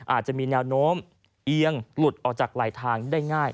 อาจจะมีแนวโน้มเอียงหลุดออกจากไหลทางได้ง่าย